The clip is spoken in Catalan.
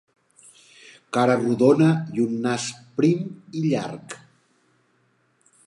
Cara rodona i un nas prim i llarg.